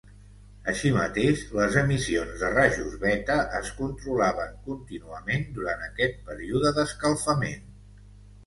Així mateix, les emissions de rajos beta es controlaven contínuament durant aquest període d'escalfament.